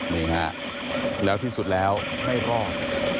นี่ฮะแล้วที่สุดแล้วไม่รอด